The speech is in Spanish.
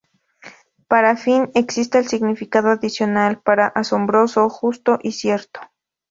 Para "finn" existe el significado adicional para "asombroso", "justo" y "cierto".